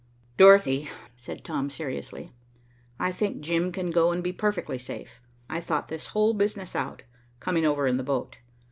"Dorothy," said Tom seriously, "I think Jim can go and be perfectly safe. I thought this whole business out, coming over in the boat.